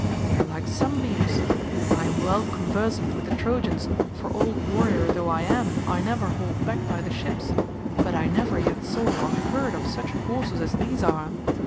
They are like sunbeams. I am well conversant with the Trojans, for old warrior though I am I never hold back by the ships, but I never yet saw or heard of such horses as these are.